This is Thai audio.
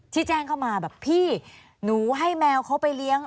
แจ้งเข้ามาแบบพี่หนูให้แมวเขาไปเลี้ยง